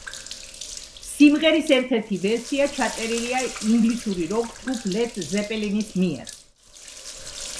სიმღერის ერთ-ერთი ვერსია ჩაწერილია ინგლისური როკ-ჯგუფ ლედ ზეპელინის მიერ.